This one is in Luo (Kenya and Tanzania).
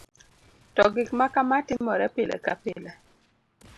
to gik makama timore pile ka pile